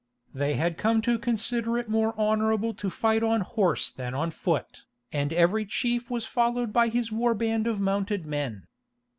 They had come to "consider it more honourable to fight on horse than on foot," and every chief was followed by his war band of mounted men.